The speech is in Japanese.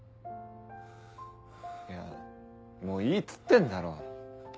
いやもういいっつってんだろ。